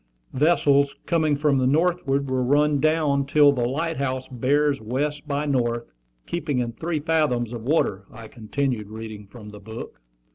"'Vessels coming from the northward will run down till the light house bears west by north, keeping in three fathoms of water,'" I continued, reading from the book.